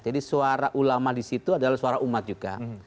jadi suara ulama di situ adalah suara umat juga